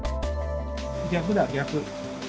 逆だ逆。